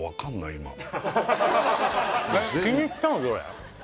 今気に入ったのどれ？